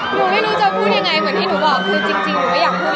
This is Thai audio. หนูไม่รู้จะพูดยังไงค่ะอย่างที่หนูบอกจริงหนูไม่ยากพูดเลย